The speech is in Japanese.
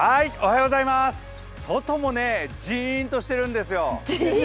外もね、ジーンとしてるんですよ。